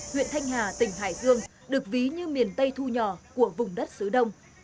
huyện thanh hà tỉnh hải dương được ví như miền tây thu nhỏ của vùng đất sứ đông